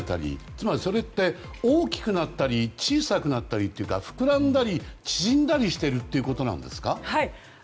つまり、それって大きくなったり小さくなったりというか膨らんだり縮んだりしているということですか？